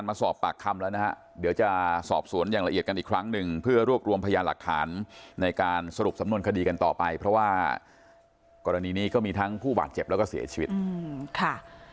หนูก็ไม่ได้ตั้งใจถ้าเป็นไปได้คงไม่มีใครอยากให้เกิดเรื่องแบบนี้หรอกค่ะ